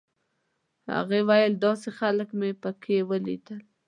هغه ویل داسې خلک مې په کې ولیدل.